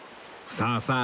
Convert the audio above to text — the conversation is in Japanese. さあさあ